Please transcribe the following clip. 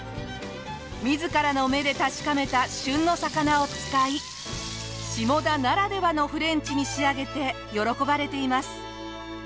自らの目で確かめた旬の魚を使い下田ならではのフレンチに仕上げて喜ばれています。